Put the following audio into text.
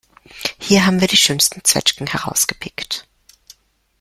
Hier haben wir die schönsten Zwetschgen herausgepickt.